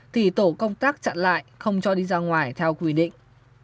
thì tổ công tác chặn lại không cho đi ra ngoài theo quy định